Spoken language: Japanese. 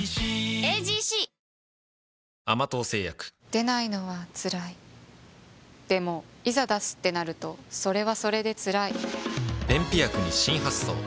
出ないのは辛いでもいざ出すってなるとそれはそれで辛い便秘薬に新発想